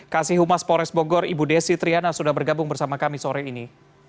kasih humas pores bogor ibu desi triana sudah bergabung bersama kami sore ini